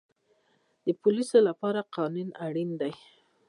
د پولیس لپاره قانون اړین دی